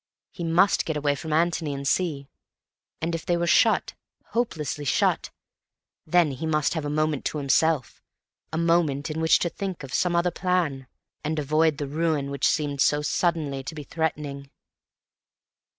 He must get away from Antony and see. And if they were shut, hopelessly shut, then he must have a moment to himself, a moment in which to think of some other plan, and avoid the ruin which seemed so suddenly to be threatening.